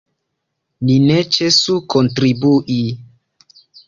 Ni ne ĉesu kontribui.